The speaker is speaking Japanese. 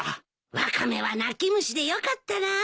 ワカメは泣き虫でよかったな。